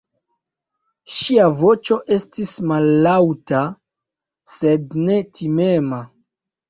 Ŝia voĉo estis mallaŭta, sed ne timema.